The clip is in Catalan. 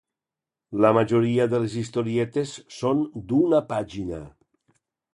La majoria de les historietes són d'una pàgina.